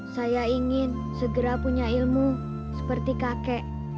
saya ingin segera punya ilmu seperti kakek